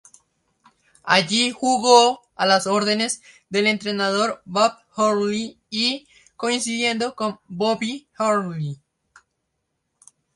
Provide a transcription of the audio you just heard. Allí jugó a las órdenes del entrenador Bob Hurley y coincidiendo con Bobby Hurley.